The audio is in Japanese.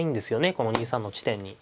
この２三の地点に。